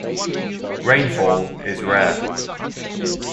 Rainfall is rare.